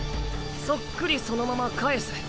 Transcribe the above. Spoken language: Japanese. そっくりそのまま返す。